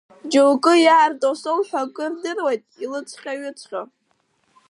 Џьоук иаарту астол ҳәа акы рдыруеит, илыҵҟьа-ҩыҵҟьо.